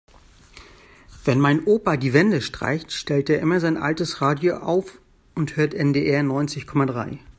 Wenn mein Opa die Wände streicht, stellt er immer sein altes Radio auf und hört NDR neunzig Komma drei.